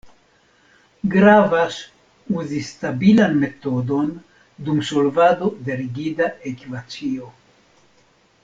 Gravas uzi stabilan metodon dum solvado de rigida ekvacio.